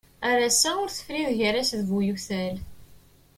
Ar wass-a ur tefri gar-as d bu yiwtal.